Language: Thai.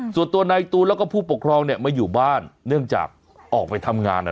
ส่วนตัวนายตูนแล้วก็ผู้ปกครองเนี่ยมาอยู่บ้านเนื่องจากออกไปทำงานอ่ะ